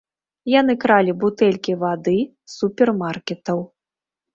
Яны кралі бутэлькі вады з супермаркетаў.